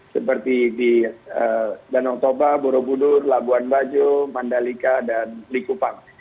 seperti di danau toba borobudur labuan bajo mandalika dan likupang